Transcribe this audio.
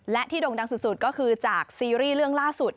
และที่ด่งดังสุดก็คือจากซีรีส์เรื่องล่าสุด